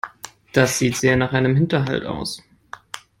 Das sieht sehr nach einem Hinterhalt aus.